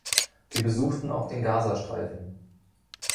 Wir besuchten auch den Gaza-Streifen.